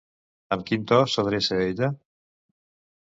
Amb quin to s'adreça a ella?